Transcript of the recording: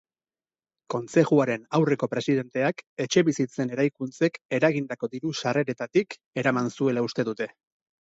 Kontzejuaren aurreko presidenteak etxebizitzen eraikuntzek eragindako diru sarreretatik eraman zuela uste dute.